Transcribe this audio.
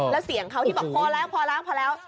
แล้วเสียงเขาที่บอกพอแล้วพอแล้วพอแล้ว